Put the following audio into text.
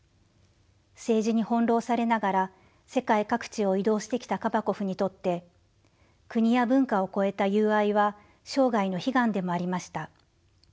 政治に翻弄されながら世界各地を移動してきたカバコフにとって国や文化を越えた友愛は生涯の悲願でもありました。